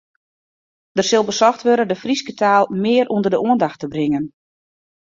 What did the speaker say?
Der sil besocht wurde de Fryske taal mear ûnder de oandacht te bringen.